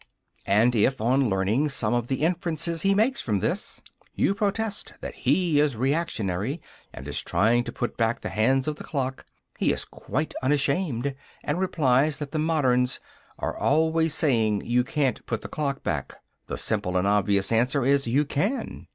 And if, on learning some of the inferences he makes from this, you protest that he is reactionary, and is trying to put back the hands of the clock, he is quite unashamed, and replies that the moderns "are always saying 'you can't put the clock back.' The simple and obvious answer is, 'You can.'